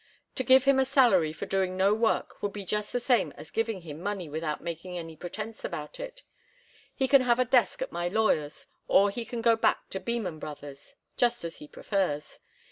To give him a salary for doing no work would be just the same as to give him money without making any pretence about it. He can have a desk at my lawyer's, or he can go back to Beman Brothers', just as he prefers.